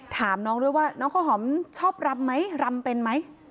ถามน้องด้วยว่าน้องข้าวหอมชอบรำไหมรำเป็นไหม